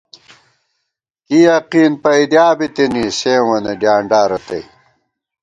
کی یقین پَئیدِیا بِتِنی، سیوں وَنہ ڈیانڈا رتئ